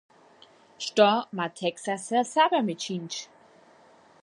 Što ma Texas ze Serbami činić?